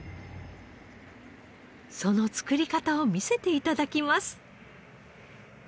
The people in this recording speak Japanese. その作り方を見せて頂きます。